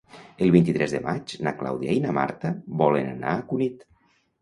El vint-i-tres de maig na Clàudia i na Marta volen anar a Cunit.